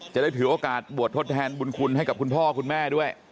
จะได้ถือโอกาสบวชทดแทนบุญคุณให้กับคุณพ่อคุณแม่ด้วย